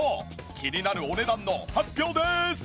気になるお値段の発表です！